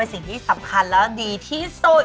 เป็นสิ่งที่สำคัญแล้วดีที่สุด